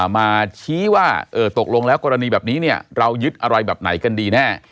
มาชี้ว่าตกลงแล้วกรณีแบบนี้เนี่ยเรายึดอะไรแบบไหนกันดีแน่